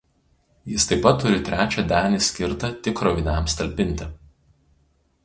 Jis taip pat turi trečią denį skirtą tik kroviniams talpinti.